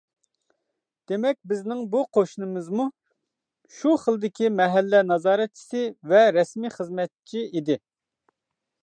دېمەك بىزنىڭ بۇ قوشنىمىزمۇ شۇ خىلدىكى مەھەللە نازارەتچىسى ۋە رەسمىي خىزمەتچى ئىدى.